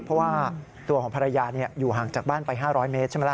เพราะว่าตัวของภรรยาอยู่ห่างจากบ้านไป๕๐๐เมตรใช่ไหมล่ะ